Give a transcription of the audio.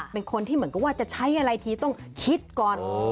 เป็นคนที่เหมือนกับว่าจะใช้อะไรทีต้องคิดก่อน